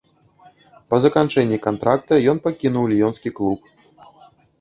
Па заканчэнні кантракта ён пакінуў ліёнскі клуб.